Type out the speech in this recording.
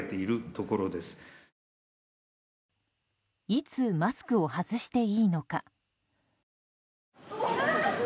いつマスクを外していいのか。